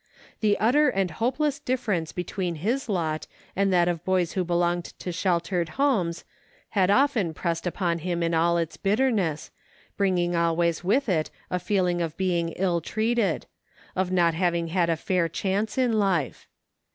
The utter and hopeless difference between his lot and that of boys who belonged to sheltered homes had often pressed upon him in all its bitterness, bringing always with it a feeling of being ill treated — of not having had a fair chance in life.